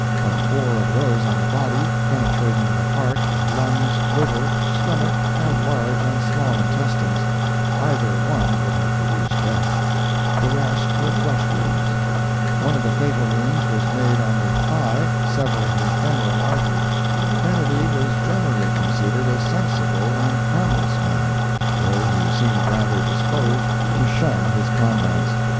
Of four of those on the body, penetrating the heart, lungs, liver, stomach, and large and small intestines, either one would have produced death; the rest were flesh wounds. One of the fatal wounds was made on the thigh, severing the femoral artery. Kennedy was generally considered a sensible and harmless man, though he seemed rather disposed to shun his comrades.